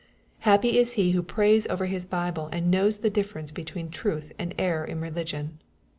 Happy is he who prays over his Bible and knows the difference between truth and error in religion